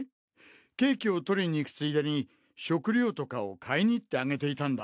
ケーキを取りにいくついでに食料とかを買いに行ってあげていたんだ。